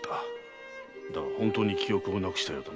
だが本当に記憶をなくしたようだな